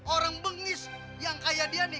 orang bengis yang kayak dia nih